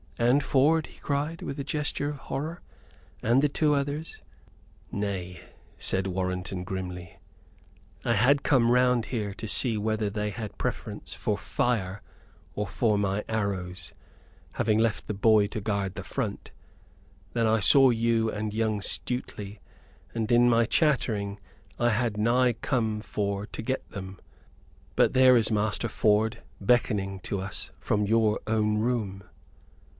"And Ford?" he cried, with a gesture of horror, "and the two others?" "Nay," said Warrenton, grimly. "I had come round here to see whether they had preference for fire or for my arrows, having left the boy to guard the front. Then I saw you and young Stuteley, and in my chattering I had nigh come to forget them. But there is Master Ford beckoning to us from your own room."